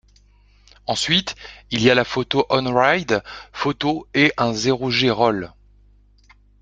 Ensuite, il y a la photo on-ride photo et un zero-G roll.